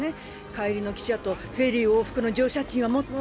帰りの汽車とフェリー往復の乗車賃は持った？